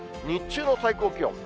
日中の最高気温。